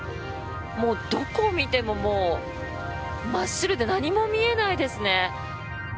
どこを見てももう真っ白で何も見えないですね。